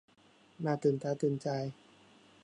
น่าตื่นตาตื่นใจ